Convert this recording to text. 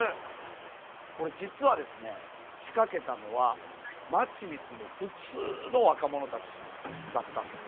これ実は仕掛けたのは街に住む普通の若者たちだったんです。